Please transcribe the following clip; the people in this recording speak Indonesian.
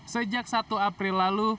sejak satu april lalu